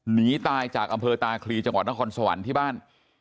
หนีตายจากอำเภอตาคลีจังหวัดนครสวรรค์ที่บ้าน